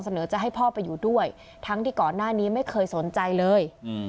เสนอจะให้พ่อไปอยู่ด้วยทั้งที่ก่อนหน้านี้ไม่เคยสนใจเลย